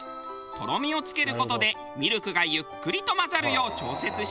とろみをつける事でミルクがゆっくりと混ざるよう調節したら。